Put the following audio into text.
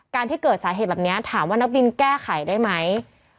ที่เกิดสาเหตุแบบนี้ถามว่านักบินแก้ไขได้ไหม